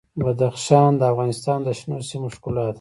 بدخشان د افغانستان د شنو سیمو ښکلا ده.